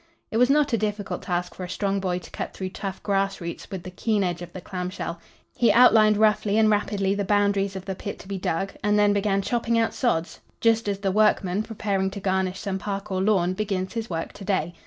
It was not a difficult task for a strong boy to cut through tough grass roots with the keen edge of the clamshell. He outlined roughly and rapidly the boundaries of the pit to be dug and then began chopping out sods just as the workman preparing to garnish some park or lawn begins his work to day.